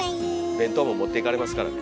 弁当も持っていかれますからね。